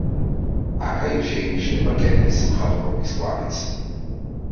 აქა-იქ შეინიშნება კედლის მხატვრობის კვალიც.